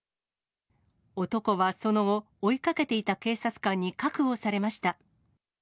男はその後、追いかけていた警察官に確保されました。